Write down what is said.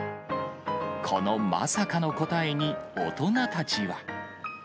このまさかの答えに大人たちは。